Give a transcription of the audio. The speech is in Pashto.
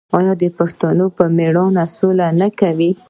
آیا پښتون په میړانه سوله نه کوي؟